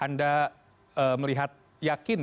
anda melihat yakin